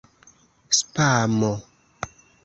spamo